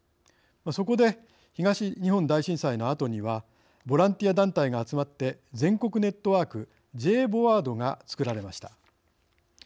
そこで東日本大震災のあとにはボランティア団体が集まって全国ネットワークＪＶＯＡＤが作られました。